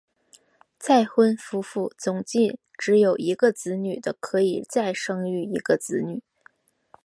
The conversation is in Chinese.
再婚夫妇总计只有一个子女的可以再生育一个子女。